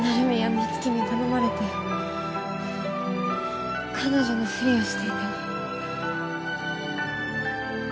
美月に頼まれて彼女のフリをしていたの。